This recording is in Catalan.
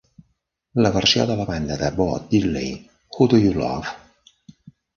La versió de la banda de Bo Diddley, Who Do You Love?